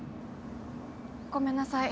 ごめんなさい。